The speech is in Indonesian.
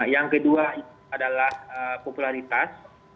yang kedua adalah popularitas